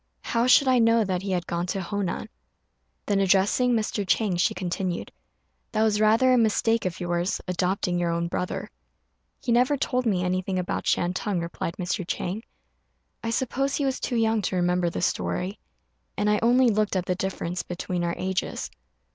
How should I know that he had gone to Honan?" Then, addressing Mr. Chang, she continued, "That was rather a mistake of yours, adopting your own brother." "He never told me anything about Shantung," replied Mr. Chang; "I suppose he was too young to remember the story; and I only looked at the difference between our ages."